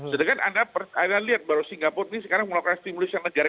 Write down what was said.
sedangkan anda lihat bahwa singapura ini sekarang melakukan stimulus yang negara